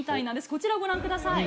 こちらご覧ください。